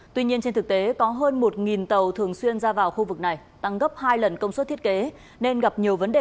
tuy nhiên trên thực tế có hơn một tàu thường xuyên ra vào khu vực này tăng gấp hai lần công suất thiết kế nên gặp nhiều vấn đề